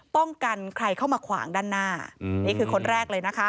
กันใครเข้ามาขวางด้านหน้านี่คือคนแรกเลยนะคะ